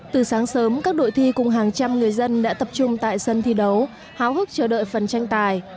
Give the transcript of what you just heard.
từ sáng sớm các đội thi cùng hàng trăm người dân đã tập trung tại sân thi đấu háo hức chờ đợi phần tranh tài